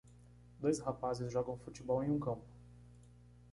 Dois rapazes jogando futebol em um campo.